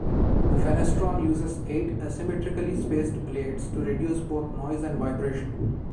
The Fenestron uses eight asymmetrically-spaced blades to reduce both noise and vibration.